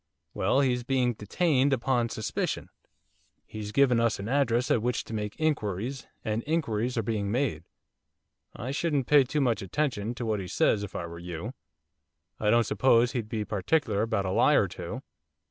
'Well, he's being detained upon suspicion. He's given us an address at which to make inquiries, and inquiries are being made. I shouldn't pay too much attention to what he says if I were you. I don't suppose he'd be particular about a lie or two.